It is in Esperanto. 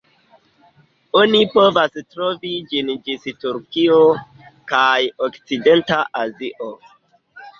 Oni povas trovi ĝin ĝis Turkio kaj okcidenta Azio.